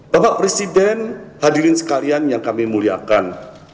bapak presiden hadirin sekalian yang kami muliakan